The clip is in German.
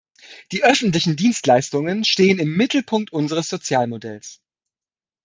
Die öffentlichen Dienstleistungen stehen im Mittelpunkt unseres Sozialmodells.